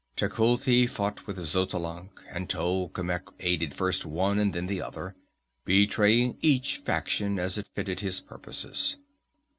Tecuhltli fought with Xotalanc, and Tolkemec aided first one and then the other, betraying each faction as it fitted his purposes.